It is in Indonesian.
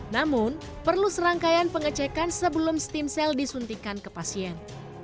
namun perlu serangkaian pengecekan sebelum stem cell disuntikan ke pasien